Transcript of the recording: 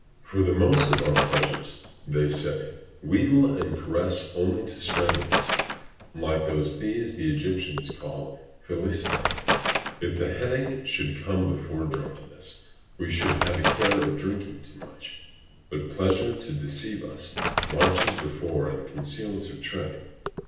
For the most of our pleasures, say they, wheedle and caress only to strangle us, like those thieves the Egyptians called Philistae; if the headache should come before drunkenness, we should have a care of drinking too much; but pleasure, to deceive us, marches before and conceals her train.